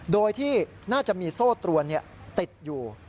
โดยที่น่าจะมีโซ่ตรวนติดอยู่